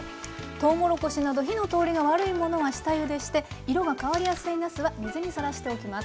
とうもろこしなど火の通りが悪いものは下ゆでして色が変わりやすいなすは水にさらしておきます。